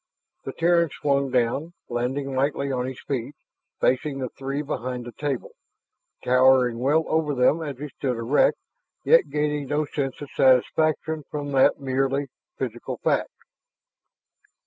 The Terran swung down, landing lightly on his feet, facing the three behind the table, towering well over them as he stood erect, yet gaining no sense of satisfaction from that merely physical fact.